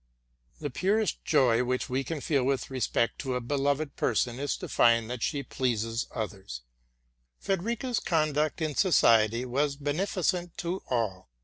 58 TRUTH AND FICTION The purest joy we can feel with respect to a beloved person is, to find that she pleases others. Frederica's conduct in society was beneficent to all.